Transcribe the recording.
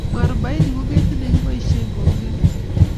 Mwarobaine ko ketit ne kiboisie ko u kerich.